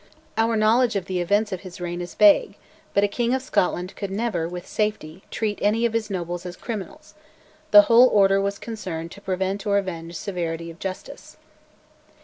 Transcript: Our knowledge of the events of his reign is vague; but a king of Scotland could never, with safety, treat any of his nobles as criminals; the whole order was concerned to prevent or avenge severity of justice.